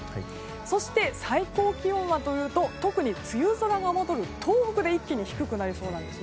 そして、最高気温はというと梅雨空が戻る東北で一気に低くなりそうです。